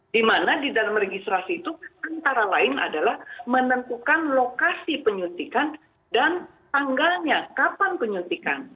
di mana di dalam registrasi itu antara lain adalah menentukan lokasi penyuntikan dan tanggalnya kapan penyuntikan